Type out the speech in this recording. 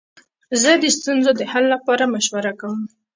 زه د ستونزو د حل لپاره مشوره کوم.